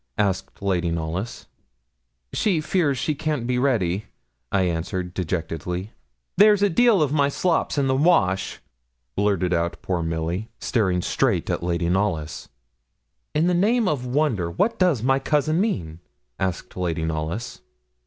asked Lady Knollys. 'She fears she can't be ready,' I answered, dejectedly. 'There's a deal of my slops in the wash,' blurted out poor Milly, staring straight at Lady Knollys. 'In the name of wonder, what does my cousin mean?' asked Lady Knollys.